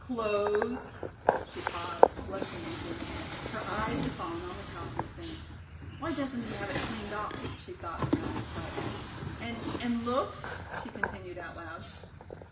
Clothes " she paused, blushing deeply. Her eyes had fallen on the coffee stain. "Why doesn't he have it cleaned off?" she thought, frowning slightly. "And and looks," she continued out loud.